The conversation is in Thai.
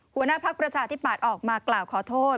หัวหน้าพักประชาธิปัตย์ออกมากล่าวขอโทษ